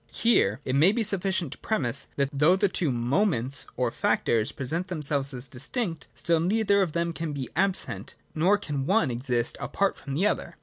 Here it may be sufficient to premise that, though the two ' moments ' or factors present them selves as distinct, still neither of them can be absent, nor can one exist apart from the other.